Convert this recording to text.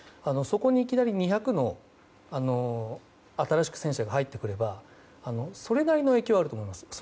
そこにいきなり２００の新しく戦車が入ってくればそれなりの影響はあると思います。